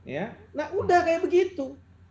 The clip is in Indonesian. ya nah udah kayak begitu